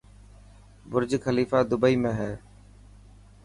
برجخليفا دبئي ۾ هي.